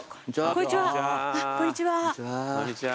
こんにちは。